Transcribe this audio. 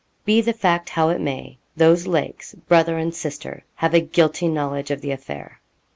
Be the fact how it may, those Lakes, brother and sister, have a guilty knowledge of the affair.